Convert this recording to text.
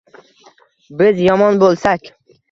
Biz yomon bo’lsak